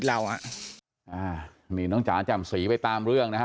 อ่านี่น้องจ๋าจำสีไปตามเรื่องนะฮะ